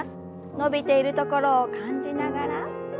伸びているところを感じながら。